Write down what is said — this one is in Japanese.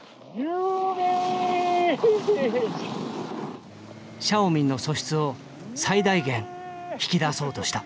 シャオミンの素質を最大限引き出そうとした。